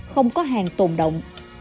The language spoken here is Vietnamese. không có hàng tồn động